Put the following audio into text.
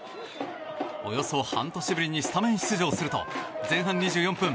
およそ半年ぶりにスタメン出場すると前半２４分。